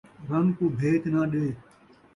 رن کوں بھیت ناں ݙے